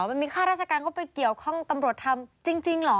มันมีค่าราชการเข้าไปเกี่ยวข้องตำรวจทำจริงเหรอ